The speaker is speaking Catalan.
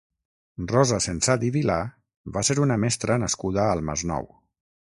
Rosa Sensat i Vilà va ser una mestra nascuda al Masnou.